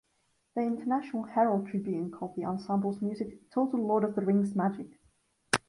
The International Herald Tribune called the ensemble's music: 'Total Lord of the Rings magic!